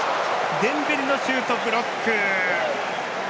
デンベレのシュートはブロック。